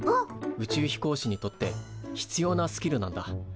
宇宙飛行士にとって必要なスキルなんだ。